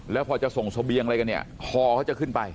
แล้วพอจะส่งเสบียงอะไรกันเนี่ยคอเขาจะขึ้นไป